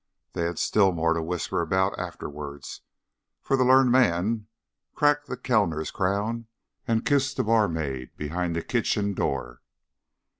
They had still more to whisper about afterwards, for the learned man cracked the Kellner's crown, and kissed the barmaid behind the kitchen door.